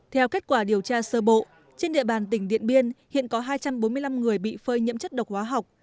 theo kết quả điều tra sơ bộ trên địa bàn tỉnh điện biên hiện có hai trăm bốn mươi năm người bị phơi nhiễm chất độc hóa học